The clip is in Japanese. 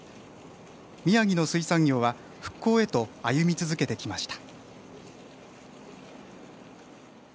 宮城の水産業は復興へと歩み続けてきました。